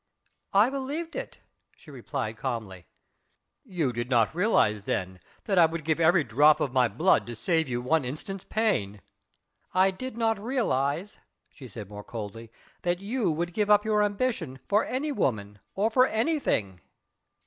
"I believed it," she replied calmly. "You did not realize then that I would give every drop of my blood to save you one instant's pain?" "I did not realize," she said more coldly, "that you would give up your ambition for any woman or for anything."